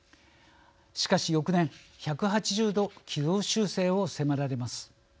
しかし翌年１８０度、軌道修正を迫られます。